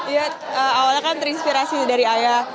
ya awalnya kan terinspirasi dari ayah